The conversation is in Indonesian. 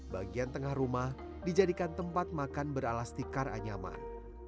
bagian tengah rumah dijadikan tempat makan beralastik kar anyaman